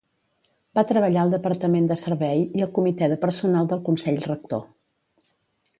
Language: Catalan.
Va treballar al Departament de Servei, i al Comitè de Personal del Consell Rector.